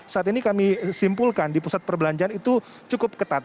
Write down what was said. saat ini kami simpulkan di pusat perbelanjaan itu cukup ketat